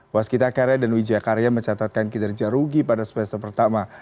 waskita karya dan wijakarya mencatatkan kinerja rugi pada semester pertama